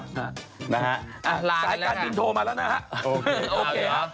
ไม่รู้